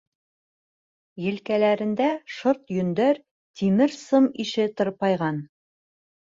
Елкәләрендә шырт йөндәр тимер сым ише тырпайған.